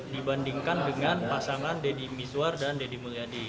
dibandingkan dengan pasangan deddy mizwar dan deddy mulyadi